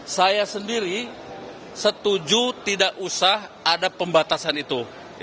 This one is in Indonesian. saya sendiri setuju tidak usah ada pembatasan itu